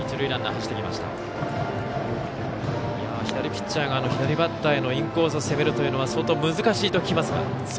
左ピッチャーが左バッターのインコースを攻めるのは相当難しいと聞きますが。